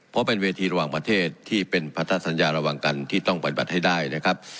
เพราะเป็นเวทีระหว่างประเทศที่เป็นพัทธสัญญาระหว่างกันที่ต้องปฏิบัติให้ได้นะครับ